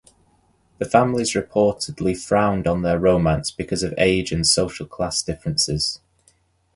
The families reportedly frowned on their romance because of age and social class differences.